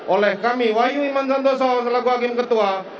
oleh kami wayu iman santoso selaku hakim ketua